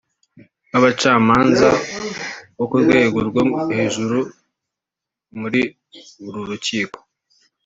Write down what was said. nk’abacamanza bo ku rwego rwo hejuru muri uru rukiko